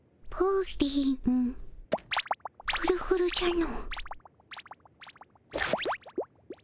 ふるふるじゃの。